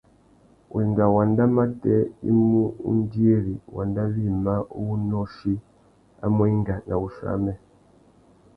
Wenga wanda matê i mú undiri wanda wïmá uwú nôchï a mú enga na wuchiô amê.